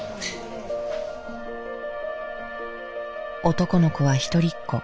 男の子は一人っ子。